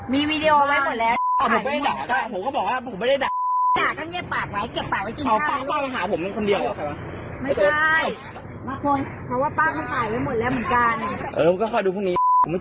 มามามามา